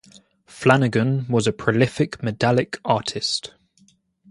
Flanagan was a prolific medallic artist.